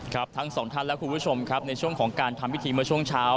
ทั้งสองท่านและคุณผู้ชมครับในช่วงของการทำพิธีเมื่อช่วงเช้า